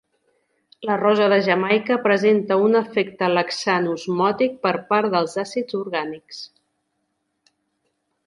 La rosa de Jamaica presenta un efecte laxant osmòtic per part dels àcids orgànics.